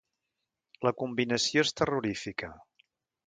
La combinació és terrorífica.